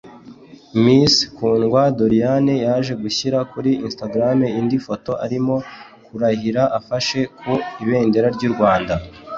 Miss Kundwa Doriane yaje gushyira kuri Instagram indi foto arimo kurahira afashe ku ibendera ry'u Rwanda